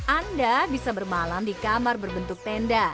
anda bisa bermalam di kamar berbentuk tenda